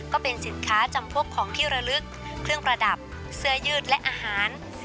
ก็เป็นสินค้าจำพวกของที่ระลึกเครื่องประดับเสื้อยืดและอาหาร